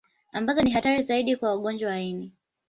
Ambazo ni hatari zaidi kwa wagonjwa wa ini